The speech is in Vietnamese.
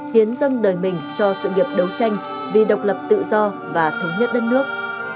hiến dâng đời mình cho sự nghiệp đấu tranh vì độc lập tự do và thống nhất đất nước